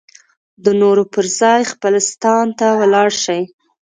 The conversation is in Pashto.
د نورو پر ځای خپل ستان ته ولاړ شي.